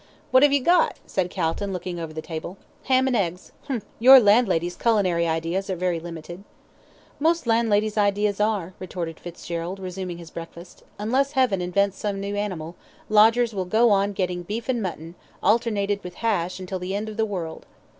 "What have you got?" said Calton, looking over the table. "Ham and eggs. Humph! Your landlady's culinary ideas are very limited." "Most landladies' ideas are," retorted Fitzgerald, resuming his breakfast. "Unless Heaven invents some new animal, lodgers will go on getting beef and mutton, alternated with hash, until the end of the world."